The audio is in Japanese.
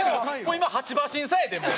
今８馬身差やでもう。